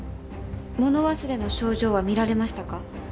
物忘れの症状は見られましたか？